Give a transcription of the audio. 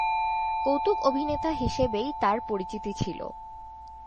কৌতুক অভিনেতা হিসেবেই তার পরিচিতি ছিল।